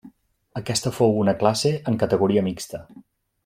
Aquesta fou una classe en categoria mixta.